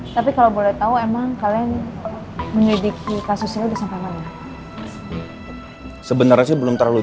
tapi kalau boleh tahu emang kalian menyelidiki kasusnya udah sampai mana sih belum terlalu